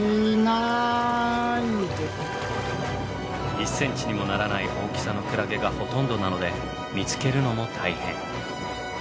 １ｃｍにもならない大きさのクラゲがほとんどなので見つけるのも大変。